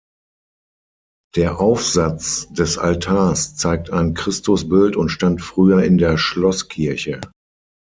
Der Aufsatz des Altars zeigt ein Christusbild und stand früher in der Schlosskirche.